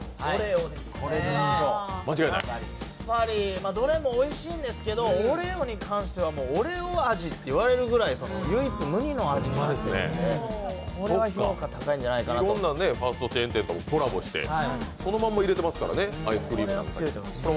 やっぱり、どれもおいしいんですけど、オレオに関してはオレオ味って言われるぐらい唯一無二の味なので、これは評価、高いんじゃないかなといろんなファストチェーン店とコラボしてそのまんま入れてますからね、アイスクリームなんかに。